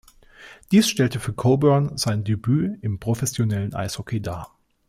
Dies stellte für Coburn sein Debüt im professionellen Eishockey dar.